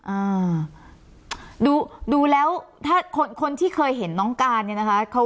อ่าดูดูแล้วถ้าคนที่เคยเห็นน้องการเนี่ยนะคะ